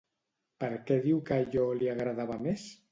Per què diu que allò li agradava més?